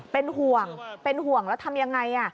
เป็นห่วงเป็นห่วงแล้วทำยังไง